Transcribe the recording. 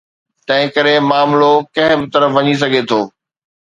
تنهنڪري معاملو ڪنهن به طرف وڃي سگهي ٿو.